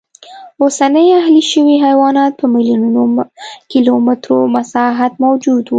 اوسني اهلي شوي حیوانات په میلیونونو کیلومترو مساحت موجود و